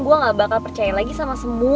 gue gak bakal percaya lagi samapp